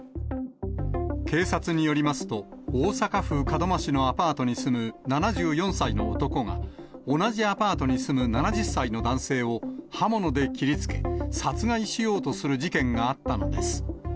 警察によりますと、大阪府門真市のアパートに住む７４歳の男が、同じアパートに住む７０歳の男性を刃物で切りつけ、殺害しようとする事件があったのです。